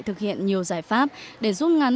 thực hiện nhiều giải pháp để giúp ngắn